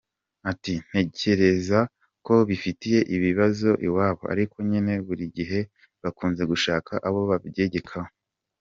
Ati”Ntekereza ko bifitiye ibibazo iwabo, ariko nyine buri gihe bakunze gushaka abo babyegekaho.